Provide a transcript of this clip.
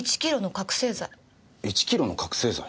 １キロの覚せい剤。